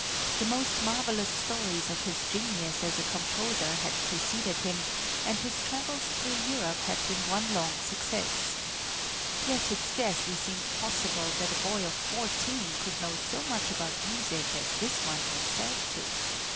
The most marvelous stories of his genius as a composer had preceded him, and his travels through Europe had been one long success. Yet it scarcely seemed possible that a boy of fourteen could know so much about music as this one was said to.